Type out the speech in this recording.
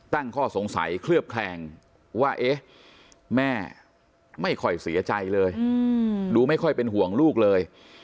ตั้งข้อสงสัยเคลือบแคลงว่าเอ๊ะแม่ไม่ค่อยเสียใจเลยดูไม่ค่อยเป็นห่วงลูกเลย